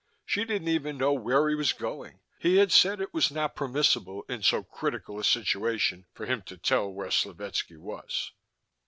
She didn't even know where he was going. He had said it was not permissible, in so critical a situation, for him to tell where Slovetski was.